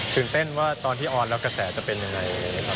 เต้นว่าตอนที่ออนแล้วกระแสจะเป็นยังไง